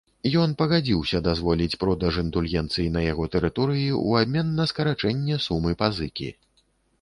Ён пагадзіўся дазволіць продаж індульгенцый на яго тэрыторыі ў абмен на скарачэнне сумы пазыкі.